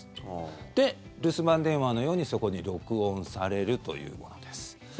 で、留守番電話のようにそこに録音されるというものです。